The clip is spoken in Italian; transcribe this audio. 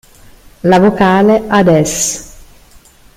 La vocale ad es.